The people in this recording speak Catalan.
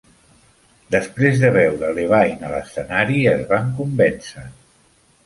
Després de veure Levine a l'escenari, es van convèncer.